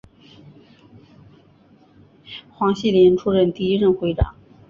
黄锡麟出任第一任会长。